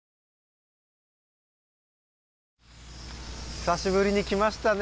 久しぶりに来ましたね